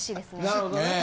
なるほどね。